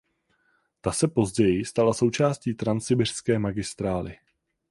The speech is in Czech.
Ta se později stala součástí Transsibiřské magistrály.